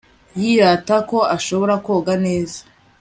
Yirata ko ashobora koga neza